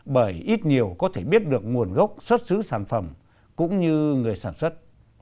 bởi ít nhiều có thể biết được nguồn gốc xuất xứ sản phẩm cũng như người sản xuất